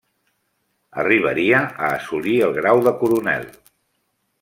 Arribaria a assolir el grau de coronel.